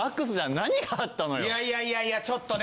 いやいやいやいやちょっとね。